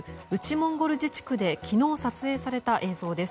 モンゴル自治区で昨日撮影された映像です。